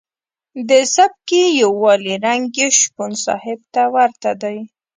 د سبکي یوالي رنګ یې شپون صاحب ته ورته دی.